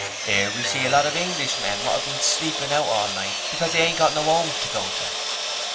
'Ere we see a lot of Englishmen who have been sleepin' out all night because they ain't got no 'omes to go to.'